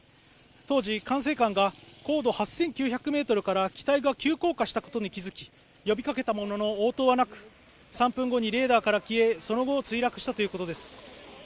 当時管制官が高度８９００メートルから機体が急降下したことに気づき呼びかけたものの応答はなく３分後にレーダーから消えその後墜落したということです